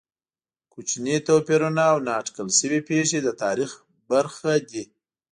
کوچني توپیرونه او نا اټکل شوې پېښې د تاریخ برخې دي.